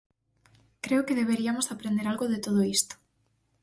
Creo que deberiamos aprender algo de todo isto.